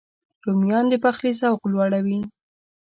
رومیان د پخلي ذوق لوړوي